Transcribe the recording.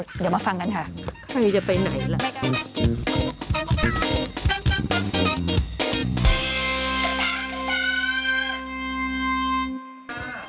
เดี๋ยวมาฟังกันค่ะใครจะไปไหนล่ะ